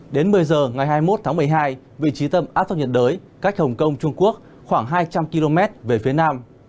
đến một mươi giờ ngày hai mươi một tháng một mươi hai vị trí tâm áp thấp nhiệt đới cách hồng kông trung quốc khoảng hai trăm linh km về phía nam